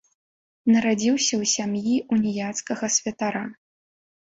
Нарадзіўся ў сям'і уніяцкага святара.